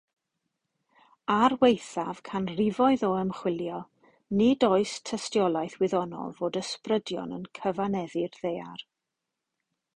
Ar waethaf canrifoedd o ymchwilio, nid oes tystiolaeth wyddonol fod ysbrydion yn cyfaneddu'r Ddaear.